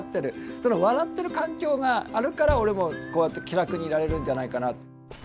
その笑ってる環境があるから俺もこうやって気楽にいられるんじゃないかな。